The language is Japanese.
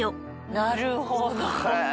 なるほど。